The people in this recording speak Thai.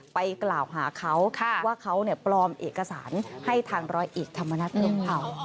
ไปกล่าวหาเขาว่าเขาปลอมเอกสารให้ทางร้อยเอกธรรมนัฐพรมเผา